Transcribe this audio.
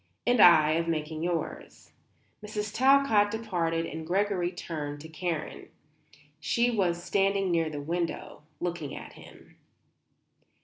"And I of making yours." Mrs. Talcott departed and Gregory turned to Karen. She was standing near the window, looking at him.